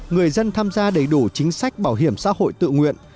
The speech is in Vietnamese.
người dân tham gia đầy đủ chính sách bảo hiểm xã hội tự nguyện